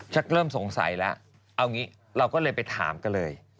เริ่มสงสัยแล้วเอางี้เราก็เลยไปถามกันเลย